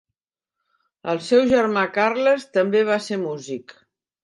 El seu germà Carles també va ser músic.